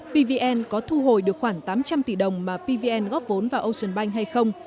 pvn có thu hồi được khoảng tám trăm linh tỷ đồng mà pvn góp vốn vào ocean bank hay không